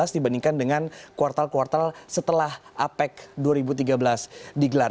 dibandingkan dengan kuartal kuartal setelah apec dua ribu tiga belas digelar